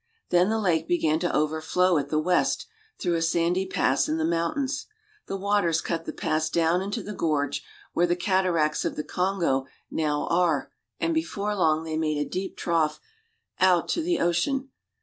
Then the lake began to overflow at the west, through a sandy pass in the mountains. The waters cut the pass down into the gorge, where the cataracts of the Kongo now are, and before long they made a deep trough out to the ocean.